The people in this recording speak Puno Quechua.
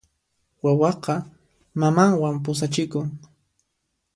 Wawaqa mamanwan pusachikun.